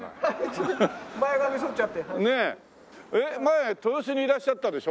えっ前豊洲にいらっしゃったでしょ？